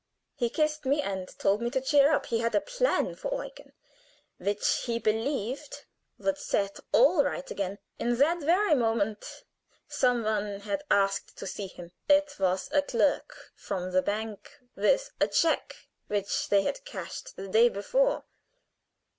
He kissed me, and told me to cheer up: he had a plan for Eugen, which, he believed, would set all right again. "In that very moment some one had asked to see him. It was a clerk from the bank with a check which they had cashed the day before.